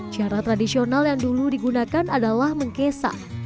cara tradisional yang dulu digunakan adalah mengkesa